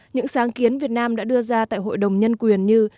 những sáng kiến việt nam đã đưa ra tại hội đồng nhân quyền như